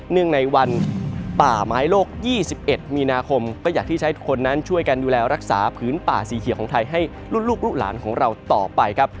เนื่องในวันป่าไม้โลกยี่สิบเอ็ดมีนาคมก็อยากที่ใช้ทุกคนนั้นช่วยการดูแลรักษาผืนป่าสีเขียวของไทยให้ลูกลูกหลานของเราต่อไปครับ